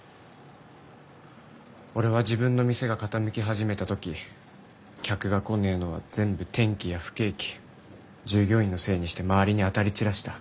俺は自分の店が傾き始めた時客が来ねえのは全部天気や不景気従業員のせいにして周りに当たり散らした。